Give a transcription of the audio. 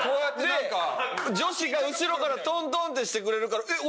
で女子が後ろからトントンってしてくれるからえっ